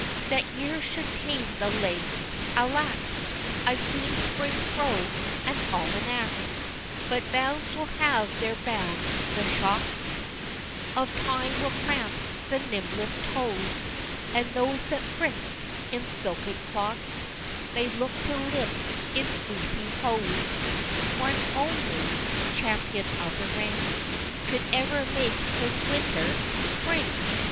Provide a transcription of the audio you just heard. That years should tame the legs alack! I've seen spring thro' an Almanack! XII. But bounds will have their bound the shocks Of Time will cramp the nimblest toes; And those that frisk'd in silken clocks May look to limp in fleecy hose One only (Champion of the ring) Could ever make his Winter, Spring!